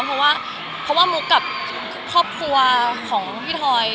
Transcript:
เพราะว่ามุกกับครอบครัวของพี่ทอย